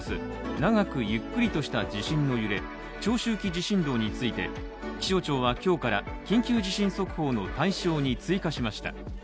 長くゆっくりとした地震の揺れ＝長周期地震動について気象庁は今日から、緊急地震速報の対象に追加しました。